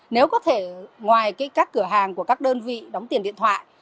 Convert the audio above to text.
nếu có thể ngoài các cửa hàng của các đơn vị đóng tiền điện thoại